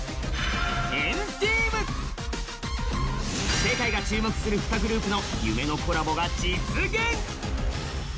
世界が注目する２グループの夢のコラボが実現。